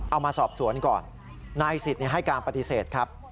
เอามาสอบสวนก่อนนายสิทธิ์ให้การปฏิเสธครับ